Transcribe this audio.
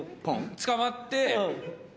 つかまって。